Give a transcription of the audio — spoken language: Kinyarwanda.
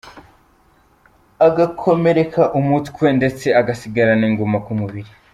agakomereka umutwe ndetse agasigarana inguma ku mubiri.